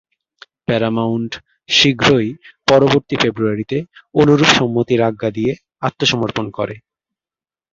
Paramount শীঘ্রই পরবর্তী ফেব্রুয়ারিতে অনুরূপ সম্মতির আজ্ঞা দিয়ে আত্মসমর্পণ করে।